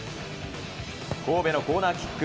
神戸のコーナーキック。